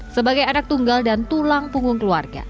sebagai anak tunggal dan tulang punggung keluarga